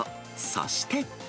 そして。